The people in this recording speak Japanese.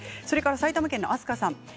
埼玉県の方です。